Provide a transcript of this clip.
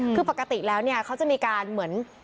คือปกติแล้วเนี่ยเขาจะมีการเหมือน